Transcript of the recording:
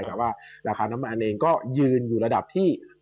แต่ว่าราคาน้ำมันเองก็ยืนอยู่ระดับที่